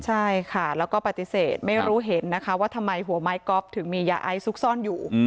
ใช่ค่ะแล้วก็ปฏิเสธไม่รู้เห็นนะคะว่าทำไมหัวไม้ก๊อฟถึงมียาไอซุกซ่อนอยู่